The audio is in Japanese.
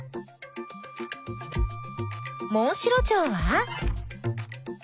モンシロチョウは？